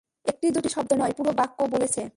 একটি দুটি শব্দ নয়, পুরো বাক্য বলেছে।